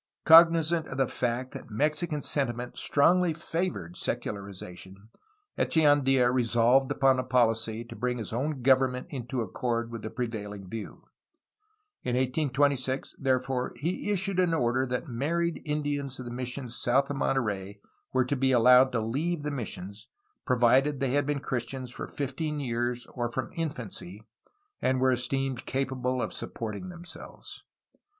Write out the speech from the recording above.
Cognizant of the fact that Mexican sentiment strongly favored secularization, Echeandia resolved upon a policy to bring his own government into accord with the prevaiUng view. In 1826, therefore, he issued an order that married Indians of the missions south of Monterey were to be allowed to leave the missions, provided they had been Christians for fifteen years or from infancy and were esteemed capable of supporting themselves.